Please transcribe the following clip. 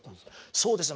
そうですね